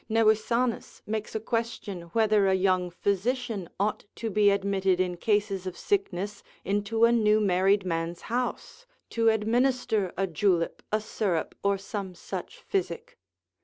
Nevisanus makes a question whether a young physician ought to be admitted in cases of sickness, into a new married man's house, to administer a julep, a syrup, or some such physic.